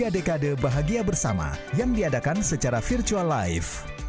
tiga dekade bahagia bersama yang diadakan secara virtual life